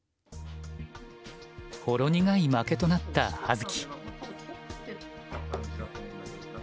ほろ苦い負けとなった葉月。